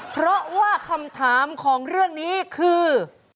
เพราะว่าคำถามของเรื่องนี้คือ